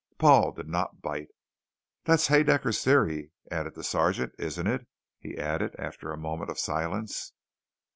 Paul did not bite. "That's Haedaecker's Theory," added the sergeant. "Isn't it?" he added after another moment of silence.